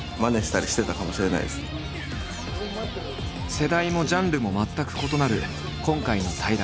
世代もジャンルも全く異なる今回の対談。